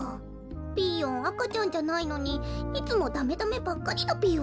ピーヨンあかちゃんじゃないのにいつもダメダメばっかりだぴよ。